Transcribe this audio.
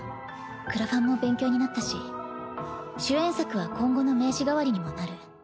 クラファンも勉強になったし主演作は今後の名刺代わりにもなる。